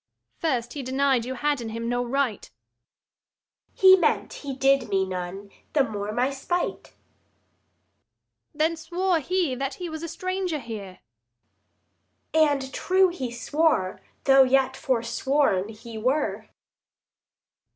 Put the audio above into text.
Luc. First he denied you had in him no right. Adr. He meant he did me none; the more my spite. Luc. Then swore he that he was a stranger here. Adr. And true he swore, though yet forsworn he were.